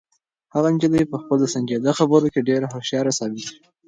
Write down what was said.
هغه نجلۍ په خپلو سنجیده خبرو کې ډېره هوښیاره ثابته شوه.